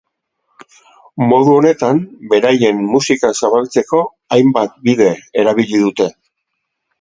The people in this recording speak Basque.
Modu honetan beraien musika zabaltzeko hainbat bide erabili dute.